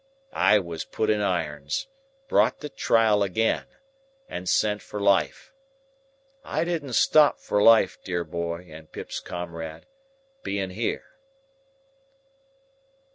I was put in irons, brought to trial again, and sent for life. I didn't stop for life, dear boy and Pip's comrade, being here."